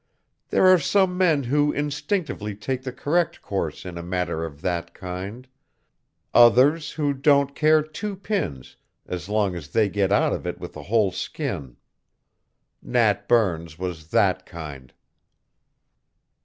There are some men who instinctively take the correct course in a matter of that kind; others who don't care two pins as long as they get out of it with a whole skin. Nat Burns was that kind."